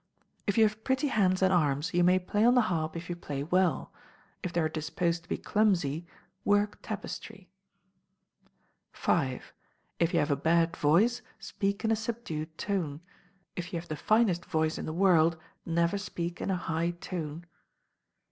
If you have pretty hands and arms, you may play on the harp if you play well: if they are disposed to be clumsy, work tapestry. v. If you have a bad voice, speak in a subdued tone: if you have the finest voice in the world, never speak in a high tone.